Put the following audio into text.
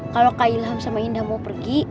kalau kak ilham sama indah mau pergi